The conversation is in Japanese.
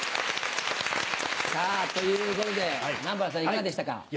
さぁということで南原さんいかがでしたか？